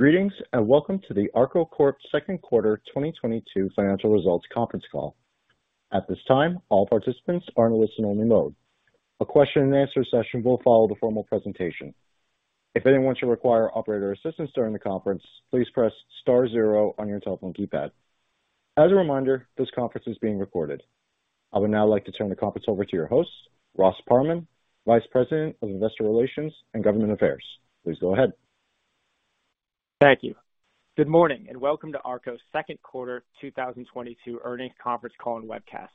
Greetings, and welcome to the ARKO Corp. Second Quarter 2022 Financial Results Conference Call. At this time, all participants are in listen only mode. A question and answer session will follow the formal presentation. If anyone should require operator assistance during the conference, please press star zero on your telephone keypad. As a reminder, this conference is being recorded. I would now like to turn the conference over to your host, Ross Parman, Vice President of Investor Relations and Government Affairs. Please go ahead. Thank you. Good morning and welcome to ARKO's second quarter 2022 earnings conference call and webcast.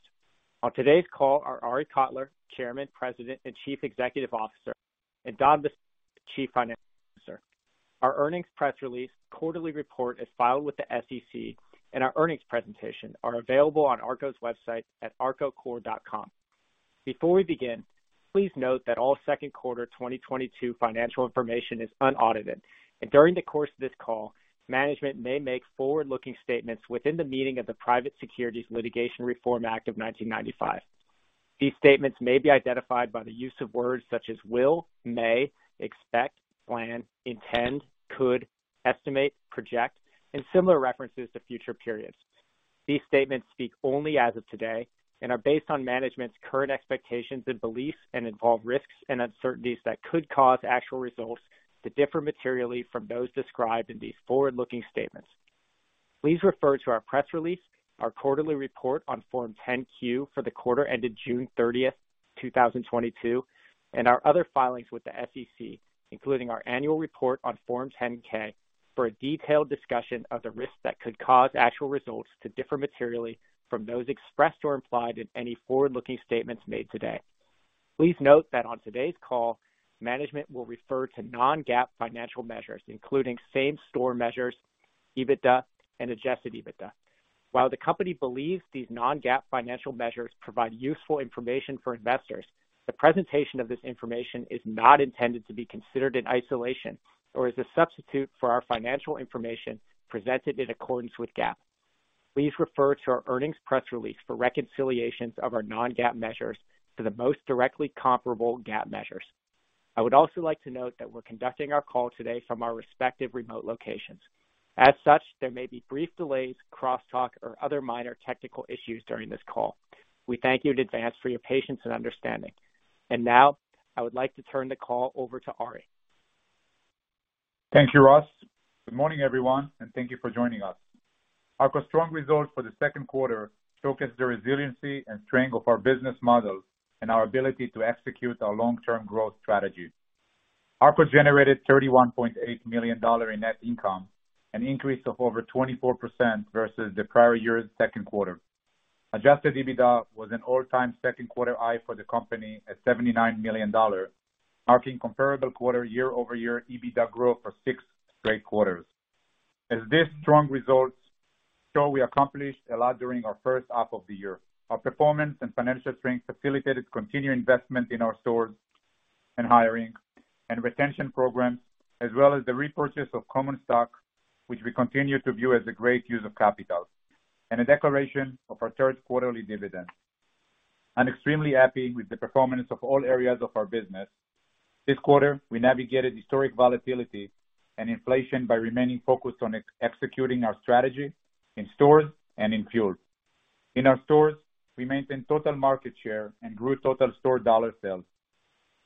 On today's call are Arie Kotler, Chairman, President, and Chief Executive Officer, and Don Bassell, Chief Financial Officer. Our earnings press release, quarterly report as filed with the SEC, and our earnings presentation are available on ARKO's website at arkocorp.com. Before we begin, please note that all second quarter 2022 financial information is unaudited. During the course of this call, management may make forward-looking statements within the meaning of the Private Securities Litigation Reform Act of 1995. These statements may be identified by the use of words such as will, may, expect, plan, intend, could, estimate, project, and similar references to future periods. These statements speak only as of today and are based on management's current expectations and beliefs and involve risks and uncertainties that could cause actual results to differ materially from those described in these forward-looking statements. Please refer to our press release, our quarterly report on Form 10-Q for the quarter ended June 30, 2022, and our other filings with the SEC, including our annual report on Form 10-K, for a detailed discussion of the risks that could cause actual results to differ materially from those expressed or implied in any forward-looking statements made today. Please note that on today's call, management will refer to non-GAAP financial measures, including same-store measures, EBITDA, and adjusted EBITDA. While the company believes these non-GAAP financial measures provide useful information for investors, the presentation of this information is not intended to be considered in isolation or as a substitute for our financial information presented in accordance with GAAP. Please refer to our earnings press release for reconciliations of our non-GAAP measures to the most directly comparable GAAP measures. I would also like to note that we're conducting our call today from our respective remote locations. As such, there may be brief delays, crosstalk, or other minor technical issues during this call. We thank you in advance for your patience and understanding. Now, I would like to turn the call over to Arie. Thank you, Ross. Good morning, everyone, and thank you for joining us. ARKO's strong results for the second quarter showcase the resiliency and strength of our business model and our ability to execute our long-term growth strategy. ARKO's generated $31.8 million in net income, an increase of over 24% versus the prior year's second quarter. Adjusted EBITDA was an all-time second quarter high for the company at $79 million, marking comparable quarter year-over-year EBITDA growth for six straight quarters. As these strong results show, we accomplished a lot during our first half of the year. Our performance and financial strength facilitated continued investment in our stores and hiring and retention programs, as well as the repurchase of common stock, which we continue to view as a great use of capital, and a declaration of our third quarterly dividend. I'm extremely happy with the performance of all areas of our business. This quarter, we navigated historic volatility and inflation by remaining focused on executing our strategy in stores and in fuel. In our stores, we maintained total market share and grew total store dollar sales.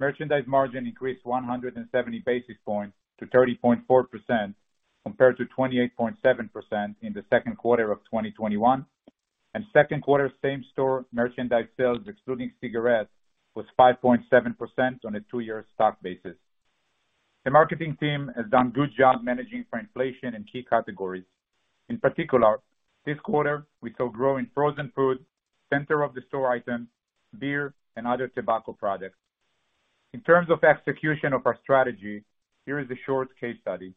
Merchandise margin increased 170 basis points to 30.4% compared to 28.7% in the second quarter of 2021. Second quarter same-store merchandise sales, excluding cigarettes, was 5.7% on a two-year stack basis. The marketing team has done a good job managing for inflation in key categories. In particular, this quarter, we saw growth in frozen food, center-of-the-store items, beer, and other tobacco products. In terms of execution of our strategy, here is the short case study.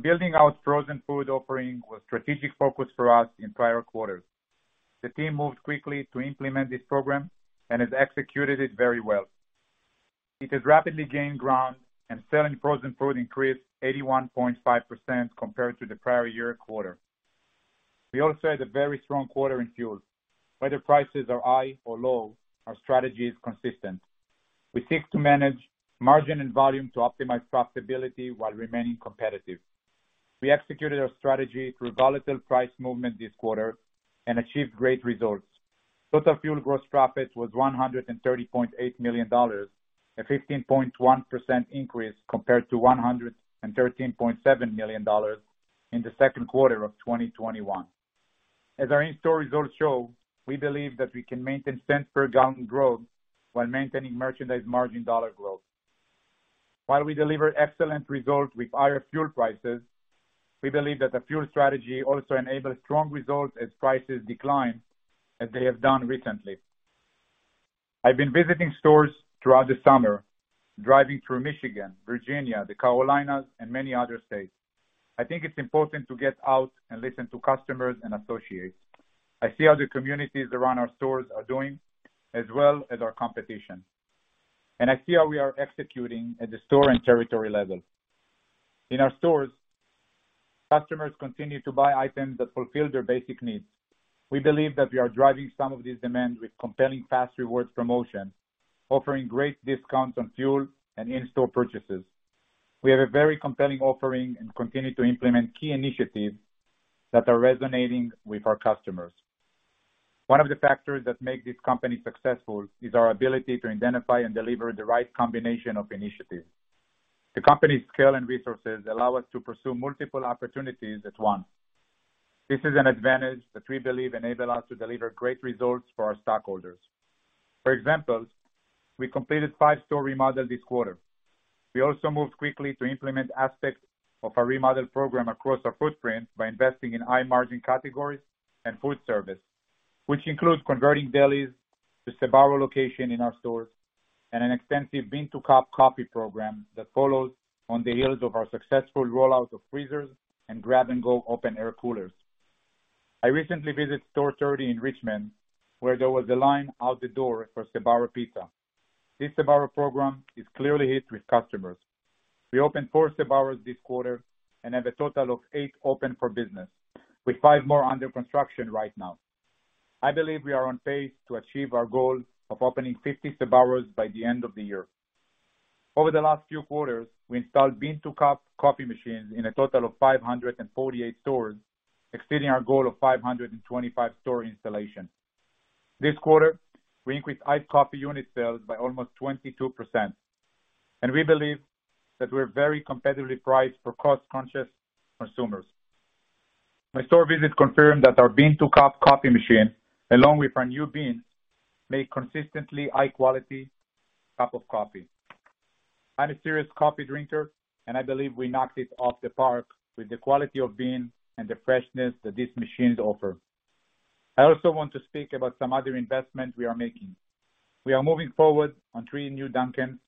Building out frozen food offering was strategic focus for us in prior quarters. The team moved quickly to implement this program and has executed it very well. It has rapidly gained ground, and selling frozen food increased 81.5% compared to the prior year quarter. We also had a very strong quarter in fuel. Whether prices are high or low, our strategy is consistent. We seek to manage margin and volume to optimize profitability while remaining competitive. We executed our strategy through volatile price movement this quarter and achieved great results. Total fuel gross profits was $130.8 million, a 15.1% increase compared to $113.7 million in the second quarter of 2021. As our in-store results show, we believe that we can maintain cents per gallon growth while maintaining merchandise margin dollar growth. While we deliver excellent results with higher fuel prices, we believe that the fuel strategy also enables strong results as prices decline as they have done recently. I've been visiting stores throughout the summer, driving through Michigan, Virginia, the Carolinas, and many other states. I think it's important to get out and listen to customers and associates. I see how the communities around our stores are doing, as well as our competition. I see how we are executing at the store and territory level. In our stores, customers continue to buy items that fulfill their basic needs. We believe that we are driving some of this demand with compelling fas REWARDS promotion, offering great discounts on fuel and in-store purchases. We have a very compelling offering and continue to implement key initiatives that are resonating with our customers. One of the factors that make this company successful is our ability to identify and deliver the right combination of initiatives. The company's scale and resources allow us to pursue multiple opportunities at once. This is an advantage that we believe enable us to deliver great results for our stockholders. For example, we completed five-store remodel this quarter. We also moved quickly to implement aspects of our remodel program across our footprint by investing in high margin categories and food service, which include converting delis to Sbarro locations in our stores, and an extensive bean-to-cup coffee program that follows on the heels of our successful rollout of freezers and grab-and-go open air coolers. I recently visited store 30 in Richmond, where there was a line out the door for Sbarro pizza. This Sbarro program is clearly a hit with customers. We opened 4 Sbarros this quarter and have a total of 8 open for business, with 5 more under construction right now. I believe we are on pace to achieve our goal of opening 50 Sbarros by the end of the year. Over the last few quarters, we installed bean-to-cup coffee machines in a total of 548 stores, exceeding our goal of 525 store installations. This quarter, we increased iced coffee unit sales by almost 22%, and we believe that we're very competitively priced for cost-conscious consumers. My store visits confirmed that our bean-to-cup coffee machine, along with our new beans, make consistently high quality cup of coffee. I'm a serious coffee drinker, and I believe we knocked it out of the park with the quality of bean and the freshness that these machines offer. I also want to speak about some other investments we are making. We are moving forward on 3 new Dunkin'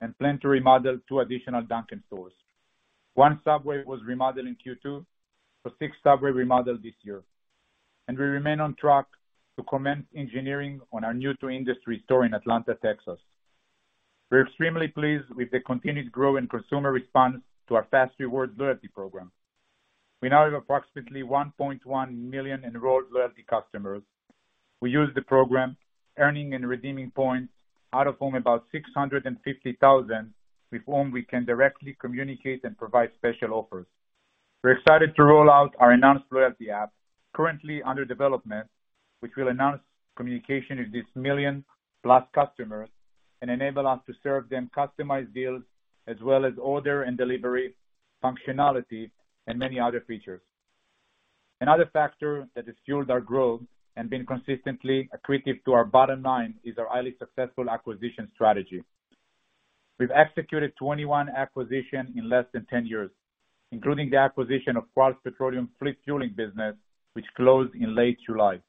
and plan to remodel 2 additional Dunkin' stores. 1 Subway was remodeled in Q2, for 6 Subway remodeled this year. We remain on track to commence engineering on our new to industry store in Atlanta, Texas. We're extremely pleased with the continued growth and consumer response to our fas REWARDS loyalty program. We now have approximately 1.1 million enrolled loyalty customers, who use the program, earning and redeeming points out of whom about 650,000 with whom we can directly communicate and provide special offers. We're excited to roll out our enhanced loyalty app currently under development, which will enhance communication with these million-plus customers and enable us to serve them customized deals as well as order and delivery functionality and many other features. Another factor that has fueled our growth and been consistently accretive to our bottom line is our highly successful acquisition strategy. We've executed 21 acquisitions in less than 10 years, including the acquisition of Quarles Petroleum fleet fueling business, which closed in late July.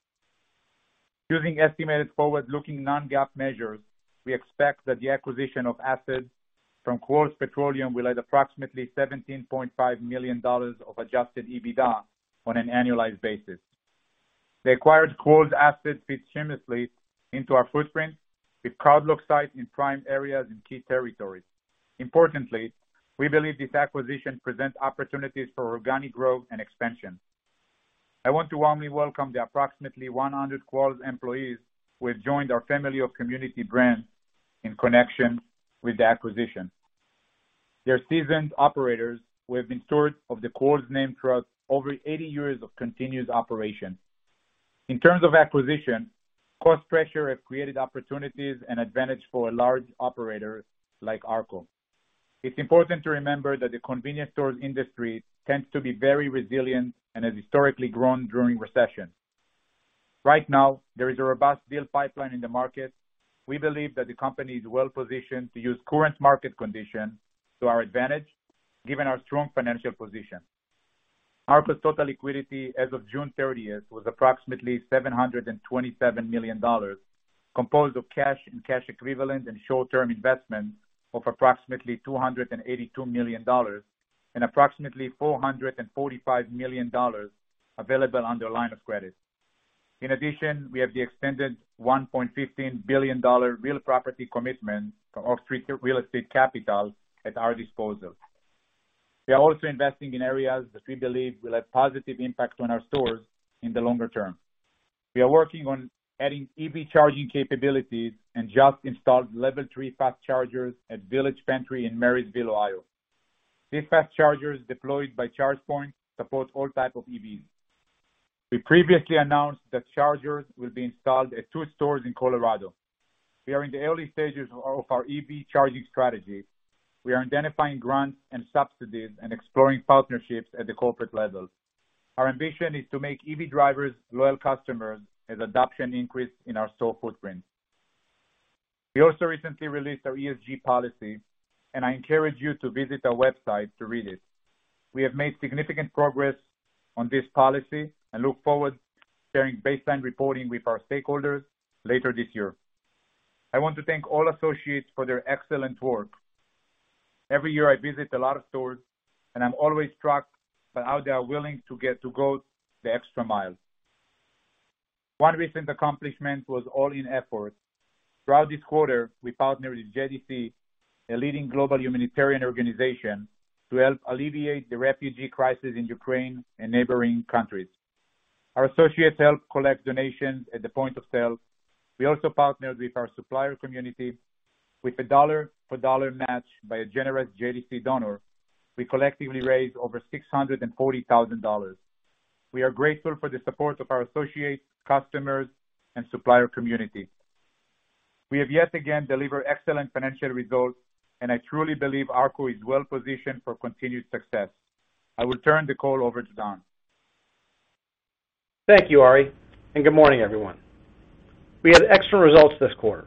Using estimated forward-looking non-GAAP measures, we expect that the acquisition of assets from Quarles Petroleum will add approximately $17.5 million of adjusted EBITDA on an annualized basis. The acquired Quarles assets fit seamlessly into our footprint with cardlock sites in prime areas and key territories. Importantly, we believe this acquisition presents opportunities for organic growth and expansion. I want to warmly welcome the approximately 100 Quarles employees who have joined our Family of Community Brands in connection with the acquisition. They're seasoned operators who have been stewards of the Quarles name for over 80 years of continuous operation. In terms of acquisition, cost pressure have created opportunities and advantage for a large operator like ARKO. It's important to remember that the convenience store industry tends to be very resilient and has historically grown during recession. Right now, there is a robust deal pipeline in the market. We believe that the company is well-positioned to use current market conditions to our advantage given our strong financial position. ARKO total liquidity as of June thirtieth was approximately $727 million, composed of cash and cash equivalents and short-term investments of approximately $282 million and approximately $445 million available under line of credit. In addition, we have the extended $1.15 billion real property commitment to all three real estate capitals at our disposal. We are also investing in areas that we believe will have positive impacts on our stores in the longer term. We are working on adding EV charging capabilities and just installed level 3 fast chargers at Village Pantry in Marysville, Ohio. These fast chargers deployed by ChargePoint support all types of EVs. We previously announced that chargers will be installed at 2 stores in Colorado. We are in the early stages of our EV charging strategy. We are identifying grants and subsidies and exploring partnerships at the corporate level. Our ambition is to make EV drivers loyal customers as adoption increase in our store footprint. We also recently released our ESG policy, and I encourage you to visit our website to read it. We have made significant progress on this policy and look forward to sharing baseline reporting with our stakeholders later this year. I want to thank all associates for their excellent work. Every year I visit a lot of stores, and I'm always struck by how they are willing to go the extra mile. One recent accomplishment was all in effort. Throughout this quarter, we partnered with JDC, a leading global humanitarian organization, to help alleviate the refugee crisis in Ukraine and neighboring countries. Our associates helped collect donations at the point of sale. We also partnered with our supplier community with a dollar for dollar match by a generous JDC donor. We collectively raised over $640,000. We are grateful for the support of our associates, customers, and supplier community. We have yet again delivered excellent financial results, and I truly believe ARKO is well-positioned for continued success. I will turn the call over to Don. Thank you, Arie, and good morning, everyone. We had strong results this quarter.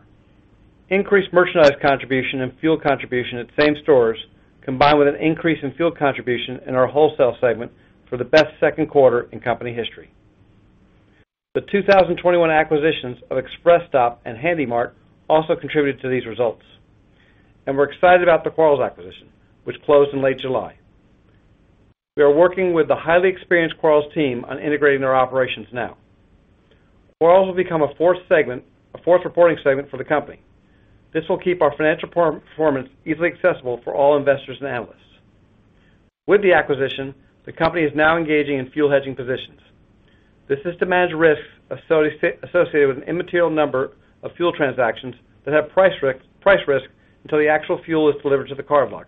Increased merchandise contribution and fuel contribution at same stores, combined with an increase in fuel contribution in our wholesale segment for the best second quarter in company history. The 2021 acquisitions of ExpressStop and Handy Mart also contributed to these results. We're excited about the Quarles acquisition, which closed in late July. We are working with the highly experienced Quarles team on integrating their operations now. Quarles will become a fourth segment, a fourth reporting segment for the company. This will keep our financial performance easily accessible for all investors and analysts. With the acquisition, the company is now engaging in fuel hedging positions. This is to manage risks associated with an immaterial number of fuel transactions that have price risk until the actual fuel is delivered to the cardlock,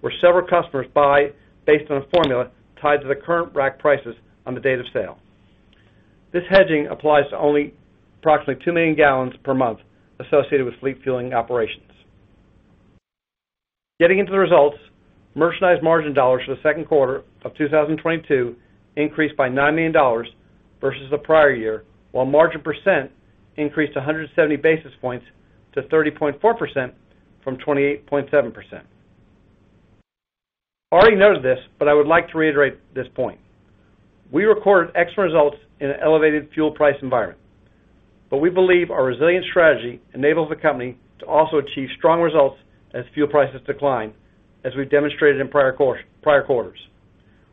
where several customers buy based on a formula tied to the current rack prices on the date of sale. This hedging applies to only approximately 2 million gallons per month associated with fleet fueling operations. Getting into the results, merchandise margin dollars for the second quarter of 2022 increased by $90 million versus the prior year, while margin percent increased 170 basis points to 30.4% from 28.7%. Arie noted this, but I would like to reiterate this point. We recorded extra results in an elevated fuel price environment. We believe our resilient strategy enables the company to also achieve strong results as fuel prices decline, as we've demonstrated in prior quarters.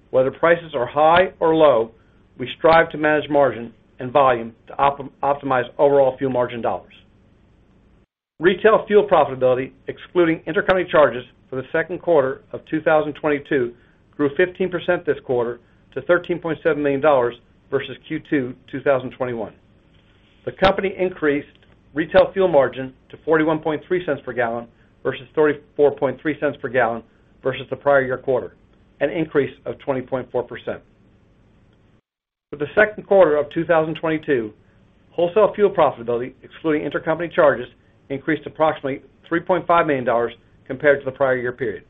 Whether prices are high or low, we strive to manage margin and volume to optimize overall fuel margin dollars. Retail fuel profitability, excluding intercompany charges for the second quarter of 2022, grew 15% this quarter to $13.7 million versus Q2 2021. The company increased retail fuel margin to $0.413 per gallon versus $0.343 per gallon versus the prior year quarter, an increase of 20.4%. For the second quarter of 2022, wholesale fuel profitability, excluding intercompany charges, increased approximately $3.5 million compared to the prior year period.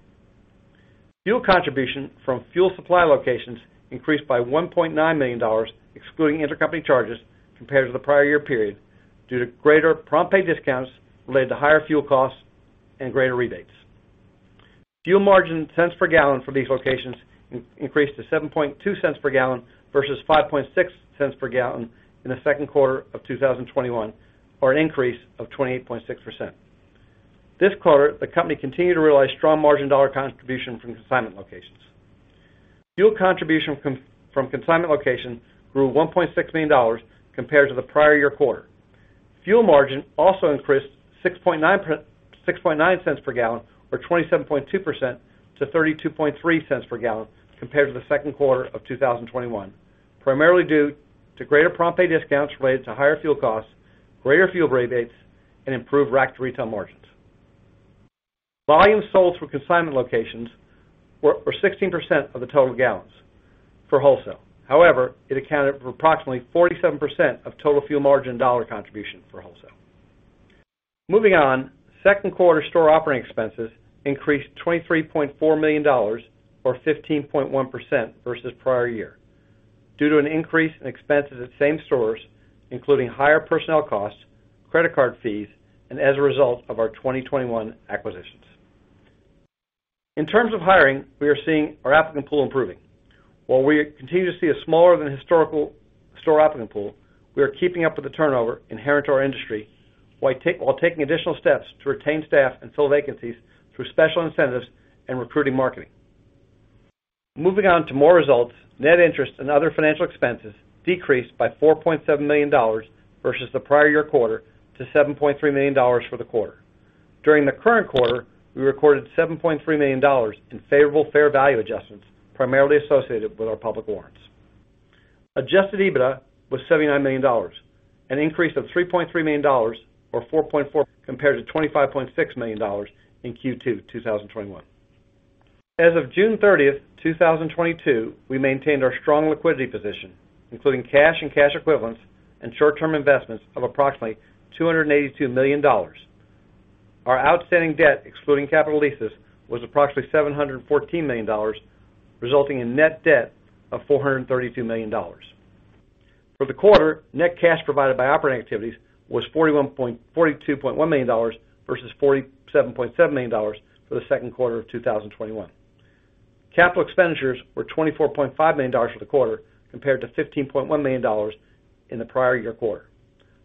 Fuel contribution from fuel supply locations increased by $1.9 million, excluding intercompany charges, compared to the prior year period due to greater prompt pay discounts related to higher fuel costs and greater rebates. Fuel margin cents per gallon for these locations increased to 7.2 cents per gallon versus 5.6 cents per gallon in the second quarter of 2021, or an increase of 28.6%. This quarter, the company continued to realize strong margin dollar contribution from consignment locations. Fuel contribution from consignment locations grew $1.6 million compared to the prior year quarter. Fuel margin also increased 6.9 cents per gallon or 27.2% to 32.3 cents per gallon compared to the second quarter of 2021, primarily due to greater prompt pay discounts related to higher fuel costs, greater fuel rebates, and improved rack-to-retail margins. Volume sold through consignment locations were 16% of the total gallons for wholesale. However, it accounted for approximately 47% of total fuel margin dollar contribution for wholesale. Moving on, second quarter store operating expenses increased $23.4 million or 15.1% versus prior year due to an increase in expenses at same stores, including higher personnel costs, credit card fees, and as a result of our 2021 acquisitions. In terms of hiring, we are seeing our applicant pool improving. While we continue to see a smaller than historical store applicant pool, we are keeping up with the turnover inherent to our industry, while taking additional steps to retain staff and fill vacancies through special incentives and recruiting marketing. Moving on to more results, net interest and other financial expenses decreased by $4.7 million versus the prior year quarter to $7.3 million for the quarter. During the current quarter, we recorded $7.3 million in favorable fair value adjustments, primarily associated with our public warrants. Adjusted EBITDA was $79 million, an increase of $3.3 million or 4.4% compared to $25.6 million in Q2 2021. As of June 30, 2022, we maintained our strong liquidity position, including cash and cash equivalents and short-term investments of approximately $282 million. Our outstanding debt, excluding capital leases, was approximately $714 million, resulting in net debt of $432 million. For the quarter, net cash provided by operating activities was $42.1 million versus $47.7 million for the second quarter of 2021. Capital expenditures were $24.5 million for the quarter, compared to $15.1 million in the prior year quarter.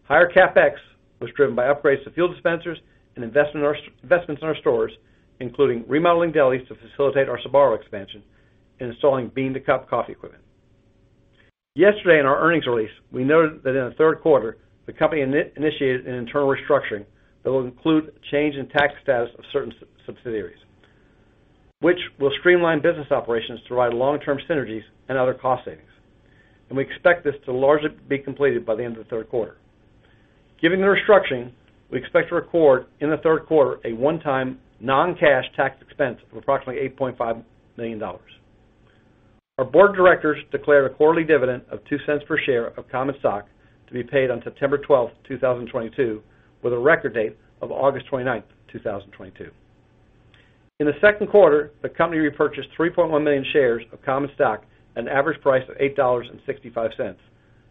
Higher CapEx was driven by upgrades to fuel dispensers and investments in our stores, including remodeling delis to facilitate our Sbarro expansion and installing bean-to-cup coffee equipment. Yesterday in our earnings release, we noted that in the third quarter, the company initiated an internal restructuring that will include change in tax status of certain subsidiaries, which will streamline business operations to provide long-term synergies and other cost savings. We expect this to largely be completed by the end of the third quarter. Given the restructuring, we expect to record in the third quarter a one-time non-cash tax expense of approximately $8.5 million. Our board of directors declared a quarterly dividend of $0.02 per share of common stock to be paid on September 12, 2022, with a record date of August 29, 2022. In the second quarter, the company repurchased 3.1 million shares of common stock at an average price of $8.65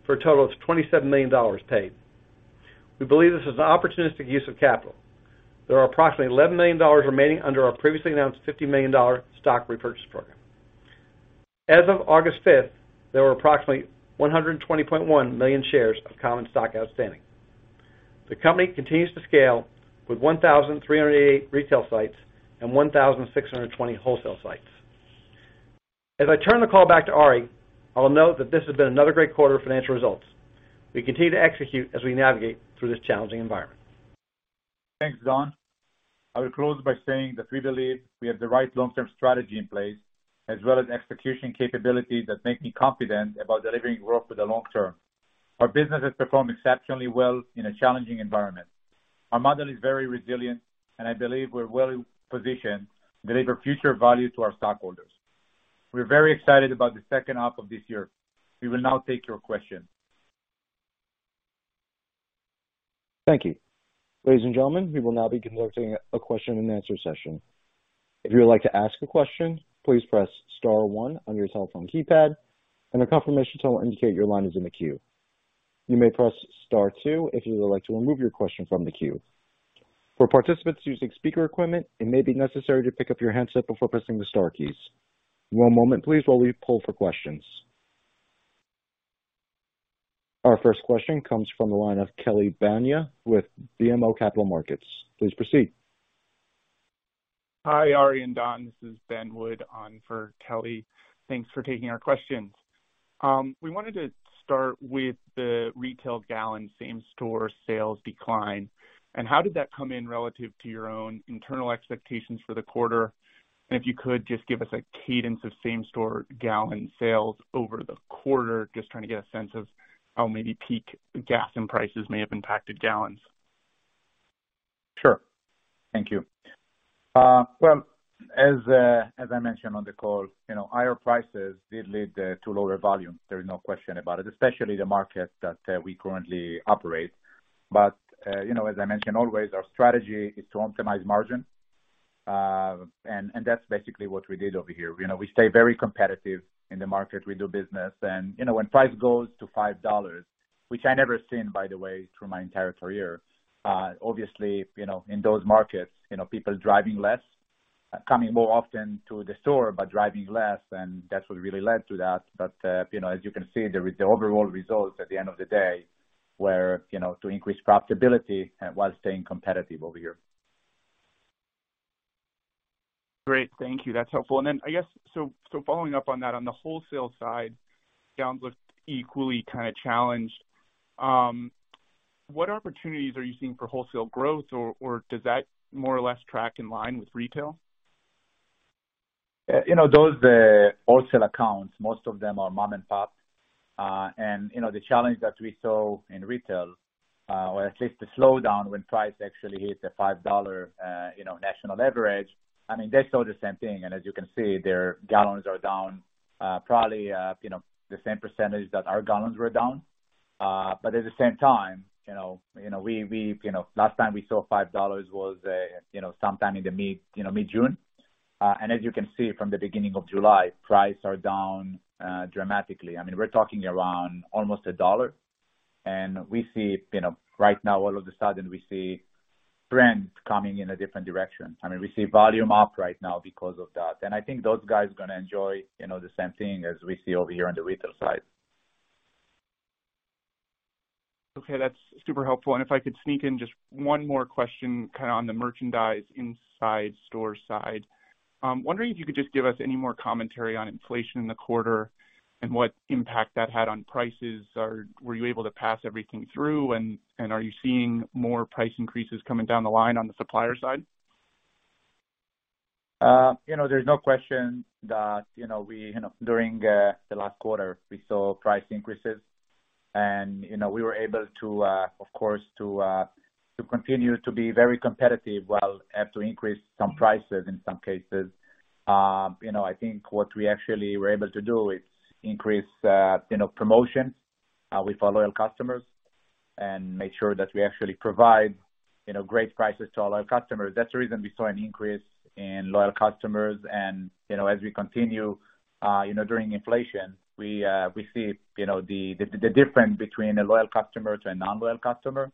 for a total of $27 million paid. We believe this is an opportunistic use of capital. There are approximately $11 million remaining under our previously announced $50 million stock repurchase program. As of August 5, there were approximately 120.1 million shares of common stock outstanding. The company continues to scale with 1,308 retail sites and 1,620 wholesale sites. As I turn the call back to Arie, I will note that this has been another great quarter of financial results. We continue to execute as we navigate through this challenging environment. Thanks, Don. I will close by saying that we believe we have the right long-term strategy in place as well as execution capability that make me confident about delivering growth for the long term. Our business has performed exceptionally well in a challenging environment. Our model is very resilient, and I believe we're well positioned to deliver future value to our stockholders. We're very excited about the second half of this year. We will now take your questions. Thank you. Ladies and gentlemen, we will now be conducting a question and answer session. If you would like to ask a question, please press star one on your telephone keypad and a confirmation tone will indicate your line is in the queue. You may press star two if you would like to remove your question from the queue. For participants using speaker equipment, it may be necessary to pick up your handset before pressing the star keys. One moment please while we pull for questions. Our first question comes from the line of Kelly Bania with BMO Capital Markets. Please proceed. Hi, Arie and Don, this is Ben Wood on for Kelly. Thanks for taking our questions. We wanted to start with the retail gallon same-store sales decline. How did that come in relative to your own internal expectations for the quarter? If you could, just give us a cadence of same-store gallon sales over the quarter. Just trying to get a sense of how maybe peak gas prices may have impacted gallons. Sure. Thank you. Well, as I mentioned on the call, you know, higher prices did lead to lower volumes. There is no question about it, especially the market that we currently operate. You know, as I mentioned always, our strategy is to optimize margin. That's basically what we did over here. You know, we stay very competitive in the market we do business. You know, when price goes to $5, which I never seen, by the way, through my entire career, obviously, you know, in those markets, you know, people driving less, coming more often to the store, but driving less, and that's what really led to that. you know, as you can see, the overall results at the end of the day were, you know, to increase profitability and while staying competitive over here. Great. Thank you. That's helpful. I guess, so following up on that, on the wholesale side, gallons looked equally kind of challenged. What opportunities are you seeing for wholesale growth or does that more or less track in line with retail? You know, those wholesale accounts, most of them are mom and pop. You know, the challenge that we saw in retail, or at least the slowdown when price actually hit the $5, you know, national average, I mean, they saw the same thing. As you can see, their gallons are down, probably, you know, the same percentage that our gallons were down. But at the same time, you know, last time we saw $5 was, you know, sometime in the mid, you know, mid-June. As you can see from the beginning of July, prices are down dramatically. I mean, we're talking around almost $1. We see, you know, right now all of a sudden we see trends coming in a different direction. I mean, we see volume up right now because of that. I think those guys are gonna enjoy, you know, the same thing as we see over here on the retail side. Okay, that's super helpful. If I could sneak in just one more question, kind of on the merchandise inside store side. Wondering if you could just give us any more commentary on inflation in the quarter and what impact that had on prices. Or were you able to pass everything through and are you seeing more price increases coming down the line on the supplier side? You know, there's no question that, you know, we, you know, during the last quarter, we saw price increases. You know, we were able to, of course, to continue to be very competitive while we have to increase some prices in some cases. You know, I think what we actually were able to do is increase, you know, promotion with our loyal customers and make sure that we actually provide, you know, great prices to all our customers. That's the reason we saw an increase in loyal customers. You know, as we continue, you know, during inflation, we see, you know, the difference between a loyal customer to a non-loyal customer.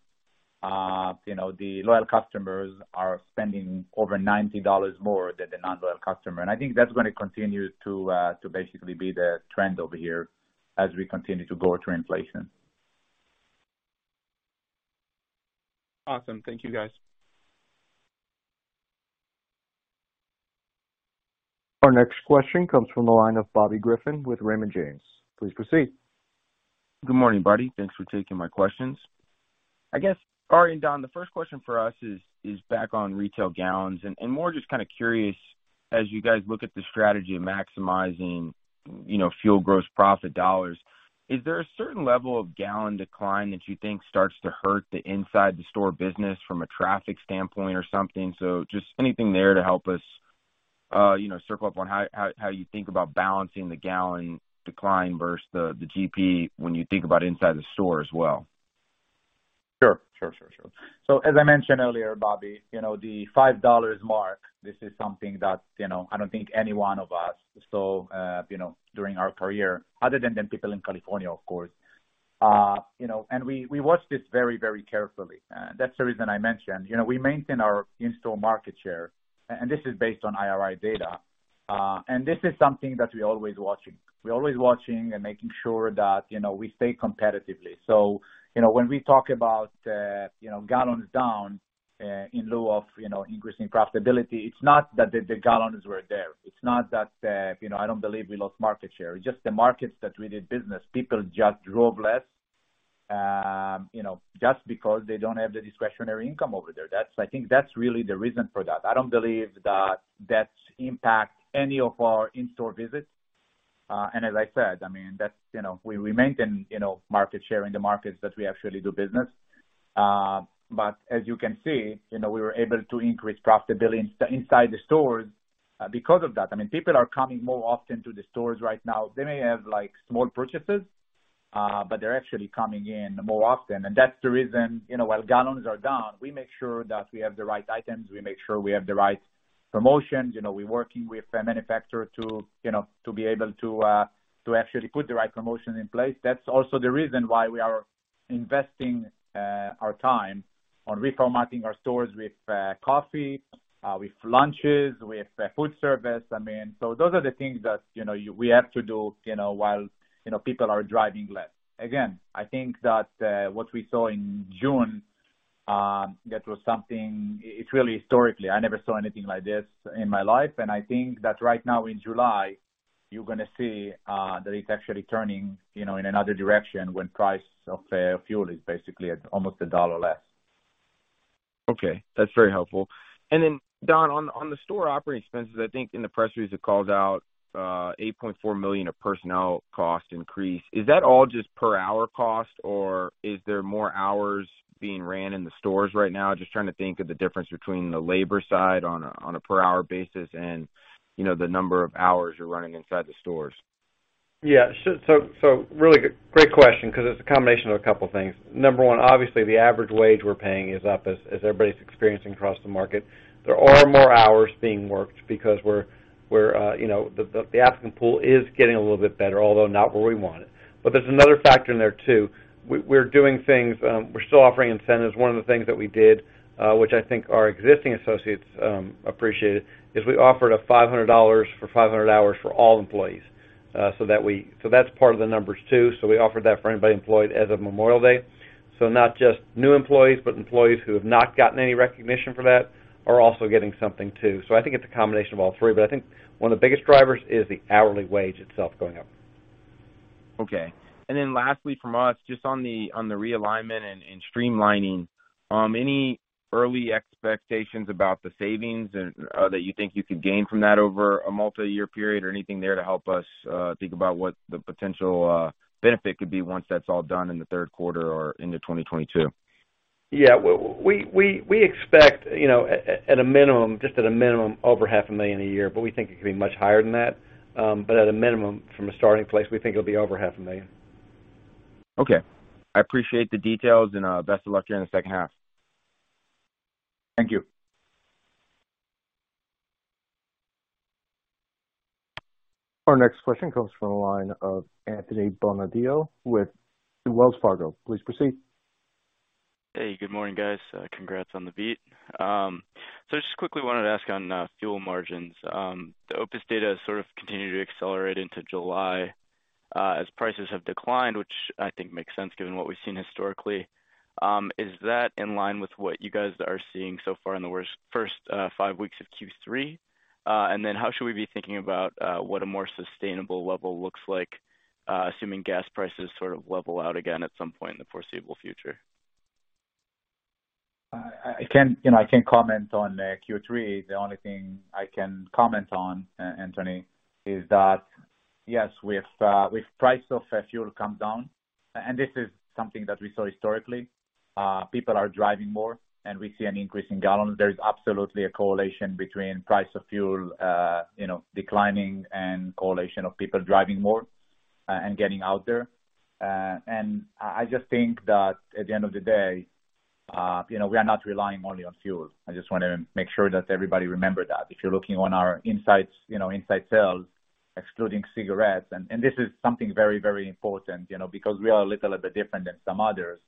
You know, the loyal customers are spending over $90 more than the non-loyal customer. I think that's gonna continue to basically be the trend over here as we continue to go through inflation. Awesome. Thank you, guys. Our next question comes from the line of Bobby Griffin with Raymond James. Please proceed. Good morning, buddy. Thanks for taking my questions. I guess, Arie and Don, the first question for us is back on retail gallons and more just kinda curious, as you guys look at the strategy of maximizing, you know, fuel gross profit dollars, is there a certain level of gallon decline that you think starts to hurt the inside the store business from a traffic standpoint or something? So just anything there to help us, you know, circle up on how you think about balancing the gallon decline versus the GP when you think about inside the store as well. As I mentioned earlier, Bobby, you know, the $5 mark, this is something that, you know, I don't think any one of us saw, you know, during our career, other than the people in California, of course. You know, and we watched this very, very carefully. That's the reason I mentioned. You know, we maintain our in-store market share, and this is based on IRI data. And this is something that we're always watching. We're always watching and making sure that, you know, we stay competitive. You know, when we talk about, you know, gallons down, in lieu of, you know, increasing profitability, it's not that the gallons were there. It's not that, you know, I don't believe we lost market share. It's just the markets that we did business, people just drove less, you know, just because they don't have the discretionary income over there. I think that's really the reason for that. I don't believe that that's impacting any of our in-store visits. As I said, I mean, that's, you know, we maintain, you know, market share in the markets that we actually do business. But as you can see, you know, we were able to increase profitability inside the stores, because of that. I mean, people are coming more often to the stores right now. They may have, like, small purchases, but they're actually coming in more often. That's the reason, you know, while gallons are down, we make sure that we have the right items, we make sure we have the right promotions. You know, we're working with a manufacturer to, you know, to be able to actually put the right promotions in place. That's also the reason why we are investing our time on reformatting our stores with coffee, with lunches, with food service. I mean, so those are the things that, you know, we have to do, you know, while, you know, people are driving less. Again, I think that what we saw in June, that was something. It's really historically, I never saw anything like this in my life. I think that right now in July, you're gonna see that it's actually turning, you know, in another direction when price of fuel is basically at almost a dollar less. Okay, that's very helpful. Don, on the store operating expenses, I think in the press release, it called out $8.4 million of personnel cost increase. Is that all just per hour cost, or is there more hours being ran in the stores right now? Just trying to think of the difference between the labor side on a per hour basis and, you know, the number of hours you're running inside the stores. Really great question because it's a combination of a couple things. Number one, obviously, the average wage we're paying is up as everybody's experiencing across the market. There are more hours being worked because we're you know, the hiring pool is getting a little bit better, although not where we want it. But there's another factor in there, too. We're doing things, we're still offering incentives. One of the things that we did, which I think our existing associates appreciated, is we offered $500 for 500 hours for all employees, so that we. That's part of the numbers, too. We offered that for anybody employed as of Memorial Day. Not just new employees, but employees who have not gotten any recognition for that are also getting something too. I think it's a combination of all three, but I think one of the biggest drivers is the hourly wage itself going up. Okay. Then lastly from us, just on the realignment and streamlining, any early expectations about the savings and that you think you could gain from that over a multi-year period or anything there to help us think about what the potential benefit could be once that's all done in the third quarter or into 2022? We expect, you know, at a minimum, just at a minimum, over $ half a million a year, but we think it could be much higher than that. At a minimum, from a starting place, we think it'll be over $ half a million. Okay. I appreciate the details and, best of luck here in the second half. Thank you. Our next question comes from the line of Anthony Bonadio with Wells Fargo. Please proceed. Hey, good morning, guys. Congrats on the beat. Just quickly wanted to ask on fuel margins. The OPIS data has sort of continued to accelerate into July as prices have declined, which I think makes sense given what we've seen historically. Is that in line with what you guys are seeing so far in the first five weeks of Q3? How should we be thinking about what a more sustainable level looks like, assuming gas prices sort of level out again at some point in the foreseeable future? I can, you know, I can't comment on Q3. The only thing I can comment on, Anthony, is that, yes, with price of fuel come down, and this is something that we saw historically, people are driving more and we see an increase in gallons. There is absolutely a correlation between price of fuel, you know, declining and correlation of people driving more, and getting out there. I just think that at the end of the day, you know, we are not relying only on fuel. I just wanna make sure that everybody remember that. If you're looking on our insights, you know, inside sales excluding cigarettes. This is something very, very important, you know, because we are a little bit different than some others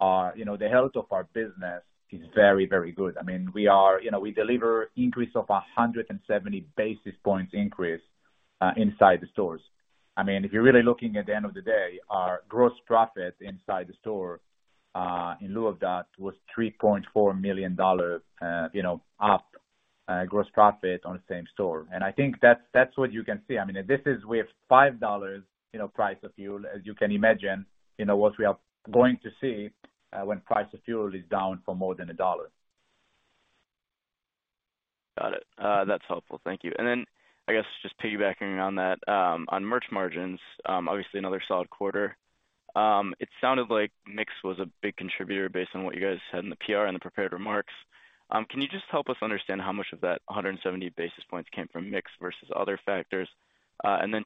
are. You know, the health of our business is very, very good. I mean, you know, we deliver an increase of 170 basis points inside the stores. I mean, if you're really looking at the end of the day, our gross profit inside the store, in light of that was $3.4 million, you know, up in gross profit on the same store. I think that's what you can see. I mean, this is with $5, you know, price of fuel, as you can imagine, you know, what we are going to see when price of fuel is down by more than $1. Got it. That's helpful. Thank you. I guess, just piggybacking on that, on merch margins, obviously another solid quarter. It sounded like mix was a big contributor based on what you guys said in the PR and the prepared remarks. Can you just help us understand how much of that 170 basis points came from mix versus other factors?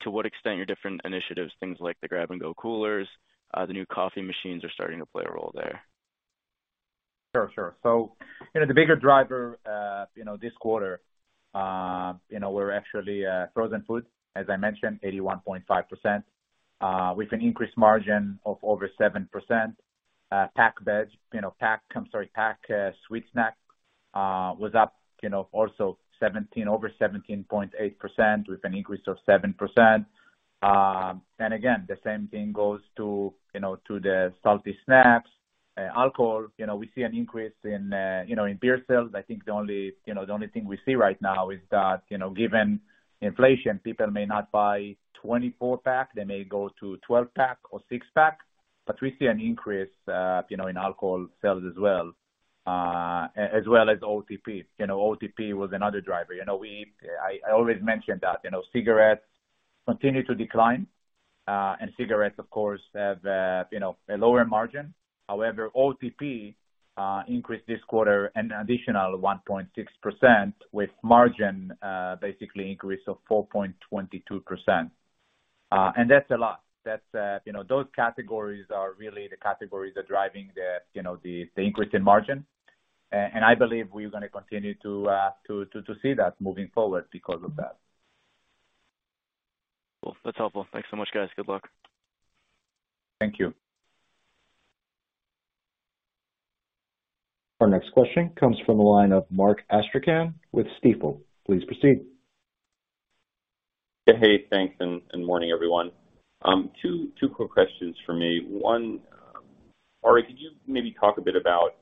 To what extent your different initiatives, things like the grab-and-go coolers, the new coffee machines are starting to play a role there. Sure, sure. The bigger driver, you know, this quarter, you know, we're actually frozen food, as I mentioned, 81.5%, with an increased margin of over 7%. Packaged sweet snack was up, you know, also over 17.8% with an increase of 7%. Again, the same thing goes to, you know, the salty snacks, alcohol. You know, we see an increase in, you know, beer sales. I think the only thing we see right now is that, you know, given inflation, people may not buy 24-pack. They may go to 12-pack or 6-pack, but we see an increase, you know, in alcohol sales as well. As well as OTP. You know, OTP was another driver. You know, I always mention that, you know, cigarettes continue to decline, and cigarettes, of course, have, you know, a lower margin. However, OTP increased this quarter an additional 1.6% with margin basically increase of 4.22%. And that's a lot. That's, you know, those categories are really the categories that driving the, you know, the increase in margin. And I believe we're gonna continue to see that moving forward because of that. Cool. That's helpful. Thanks so much, guys. Good luck. Thank you. Our next question comes from the line of Mark Astrachan with Stifel. Please proceed. Hey, thanks, and morning, everyone. Two quick questions for me. One, Arie, could you maybe talk a bit about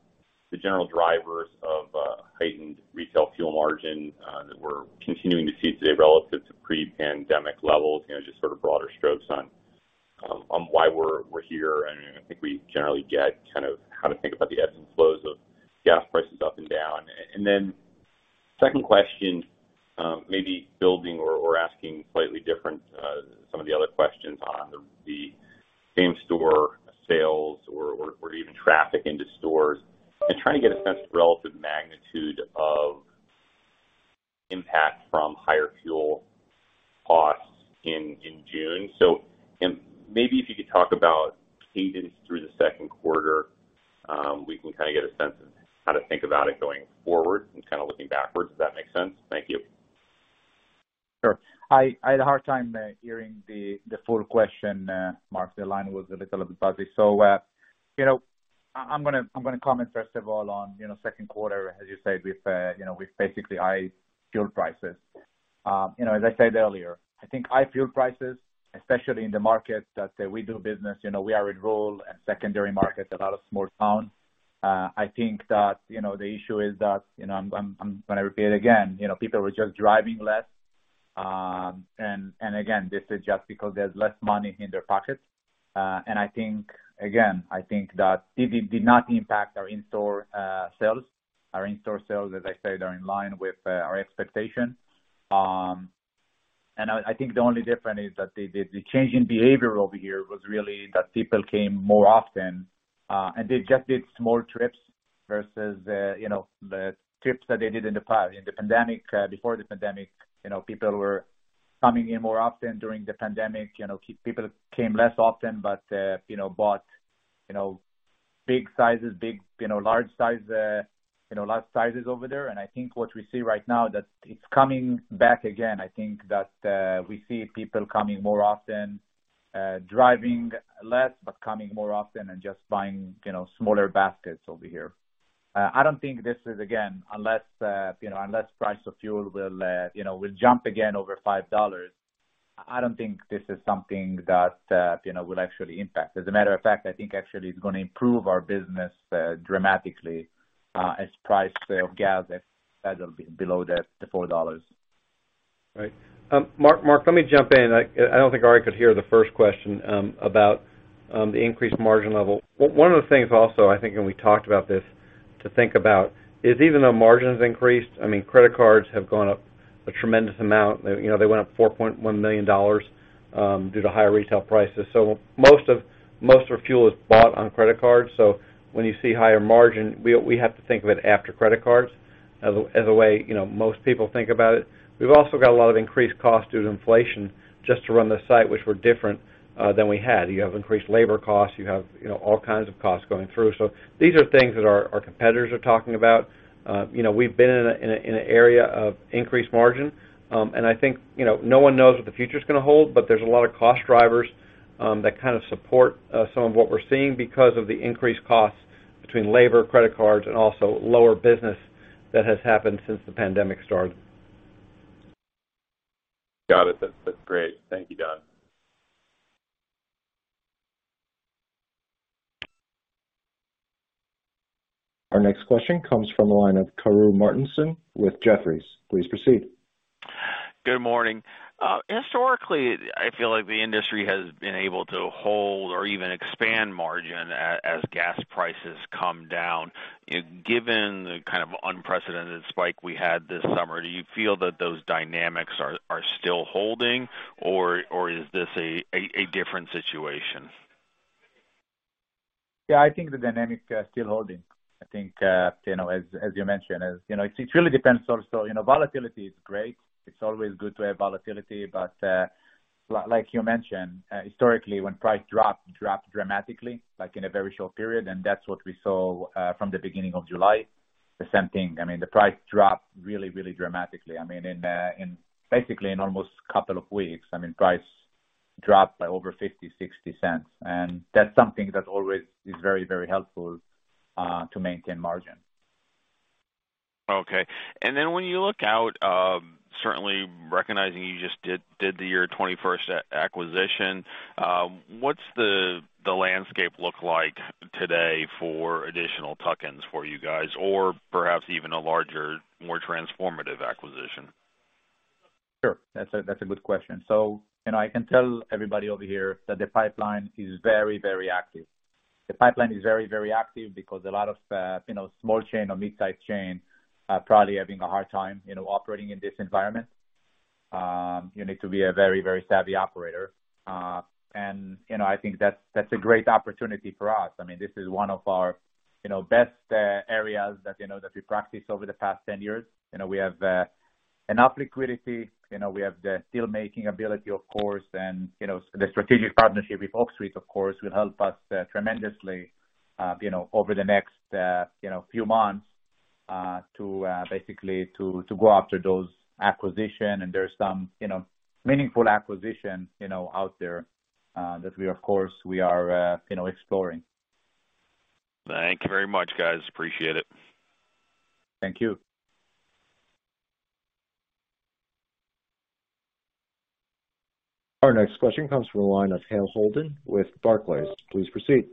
the general drivers of heightened retail fuel margin that we're continuing to see today relative to pre-pandemic levels? You know, just sort of broader strokes on why we're here. I think we generally get kind of how to think about the ebbs and flows of gas prices up and down. Then second question, maybe building or asking slightly different some of the other questions on the same store sales or even traffic into stores and trying to get a sense of the relative magnitude of impact from higher fuel costs in June. Maybe if you could talk about cadence through the second quarter, we can kind of get a sense of how to think about it going forward and kind of looking backwards. Does that make sense? Thank you. Sure. I had a hard time hearing the full question, Mark. The line was a little bit buzzy. You know, I'm gonna comment first of all on, you know, second quarter, as you said, with you know, with basically high fuel prices. You know, as I said earlier, I think high fuel prices, especially in the markets that we do business, you know, we are in rural and secondary markets, a lot of small towns. I think that, you know, the issue is that, you know, I'm gonna repeat again, you know, people were just driving less. Again, this is just because there's less money in their pockets. I think. Again, I think that it did not impact our in-store sales. Our in-store sales, as I said, are in line with our expectations. I think the only difference is that the change in behavior over here was really that people came more often and they just did small trips versus you know the trips that they did in the past. In the pandemic, before the pandemic, you know, people were coming in more often during the pandemic. You know, people came less often, but you know bought big sizes, large sizes over there. I think what we see right now that it's coming back again. I think that we see people coming more often, driving less, but coming more often and just buying you know smaller baskets over here. I don't think this is, again, unless you know, unless price of fuel will you know, will jump again over $5, I don't think this is something that you know, will actually impact. As a matter of fact, I think actually it's gonna improve our business dramatically, as price of gas settles below the $4. Right. Mark, let me jump in. I don't think Arie could hear the first question about the increased margin level. One of the things also, I think when we talked about this to think about is even though margin has increased, I mean, credit cards have gone up a tremendous amount. You know, they went up $4.1 million due to higher retail prices. So most of our fuel is bought on credit cards. When you see higher margin, we have to think of it after credit cards as a way, you know, most people think about it. We've also got a lot of increased costs due to inflation just to run the site, which were different than we had. You have increased labor costs, you know, all kinds of costs going through. These are things that our competitors are talking about. You know, we've been in an area of increased margin. I think, you know, no one knows what the future is gonna hold, but there's a lot of cost drivers. That kind of support, some of what we're seeing because of the increased costs between labor, credit cards, and also lower business that has happened since the pandemic started. Got it. That, that's great. Thank you, Don. Our next question comes from the line of Karru Martinson with Jefferies. Please proceed. Good morning. Historically, I feel like the industry has been able to hold or even expand margin as gas prices come down. Given the kind of unprecedented spike we had this summer, do you feel that those dynamics are still holding, or is this a different situation? Yeah, I think the dynamic is still holding. I think, you know, as you mentioned, as you know, it really depends also, you know, volatility is great. It's always good to have volatility. Like you mentioned, historically when price dropped dramatically, like in a very short period, and that's what we saw from the beginning of July. The same thing, I mean, the price dropped really dramatically. I mean, in basically almost a couple of weeks, I mean, price dropped by over $0.50-$0.60. That's something that always is very helpful to maintain margin. Okay. When you look out, certainly recognizing you just did the 2021 acquisition, what's the landscape look like today for additional tuck-ins for you guys, or perhaps even a larger, more transformative acquisition? Sure. That's a good question. You know, I can tell everybody over here that the pipeline is very, very active. The pipeline is very, very active because a lot of, you know, small chain or mid-size chain are probably having a hard time, you know, operating in this environment. You need to be a very, very savvy operator. You know, I think that's a great opportunity for us. I mean, this is one of our, you know, best areas that, you know, that we practice over the past 10 years. You know, we have enough liquidity, you know, we have the deal-making ability, of course. You know, the strategic partnership with Oak Street, of course, will help us tremendously, you know, over the next few months to basically go after those acquisition. There's some, you know, meaningful acquisition, you know, out there that we, of course, are, you know, exploring. Thank you very much, guys. Appreciate it. Thank you. Our next question comes from the line of Hale Holden with Barclays. Please proceed.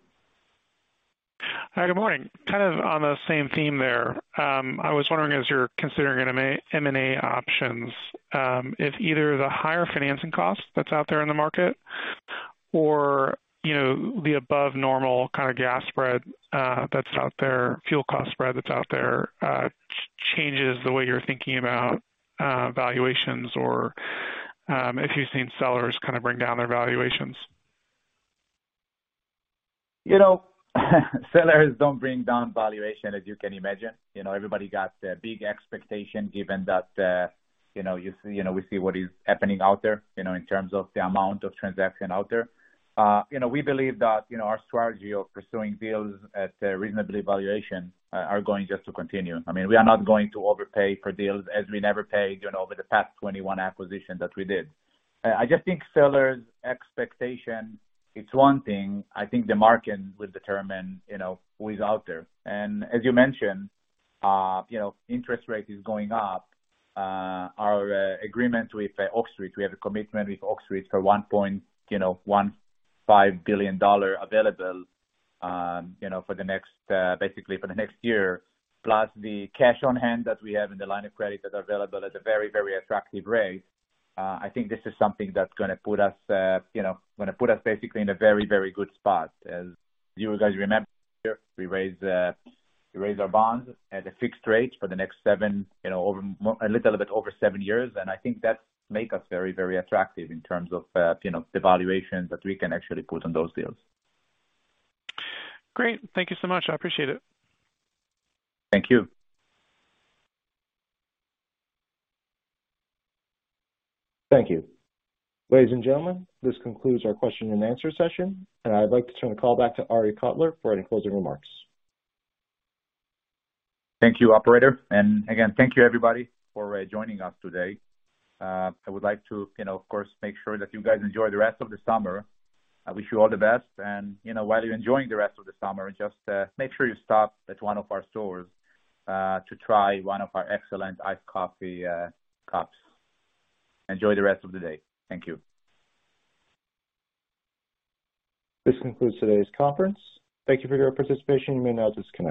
Hi, good morning. Kind of on the same theme there. I was wondering, as you're considering M&A options, if either the higher financing cost that's out there in the market or, you know, the above normal kinda gas spread that's out there, fuel cost spread that's out there, changes the way you're thinking about valuations or, if you've seen sellers kinda bring down their valuations. You know, sellers don't bring down valuation, as you can imagine. You know, everybody got a big expectation given that, you know, we see what is happening out there, you know, in terms of the amount of transactions out there. You know, we believe that, you know, our strategy of pursuing deals at a reasonable valuation are going just to continue. I mean, we are not going to overpay for deals as we never paid, you know, over the past 21 acquisitions that we did. I just think sellers' expectation, it's one thing. I think the market will determine, you know, who is out there. As you mentioned, you know, interest rate is going up. Our agreement with Oak Street, we have a commitment with Oak Street for $1.15 billion available, you know, for the next basically for the next year. Plus the cash on hand that we have in the line of credit that are available at a very, very attractive rate. I think this is something that's gonna put us, you know, gonna put us basically in a very, very good spot. As you guys remember, we raised our bonds at a fixed rate for the next seven, you know, a little bit over seven years. I think that make us very, very attractive in terms of, you know, the valuations that we can actually put on those deals. Great. Thank you so much. I appreciate it. Thank you. Thank you. Ladies and gentlemen, this concludes our question and answer session, and I'd like to turn the call back to Arie Kotler for any closing remarks. Thank you, operator. Again, thank you everybody for joining us today. I would like to, you know, of course, make sure that you guys enjoy the rest of the summer. I wish you all the best. You know, while you're enjoying the rest of the summer, just make sure you stop at one of our stores to try one of our excellent iced coffee cups. Enjoy the rest of the day. Thank you. This concludes today's conference. Thank you for your participation. You may now disconnect.